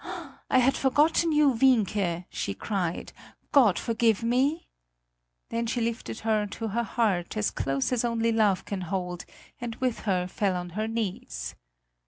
I had forgotten you, Wienke!" she cried. "God forgive me!" Then she lifted her to her heart, as close as only love can hold, and with her fell on her knees.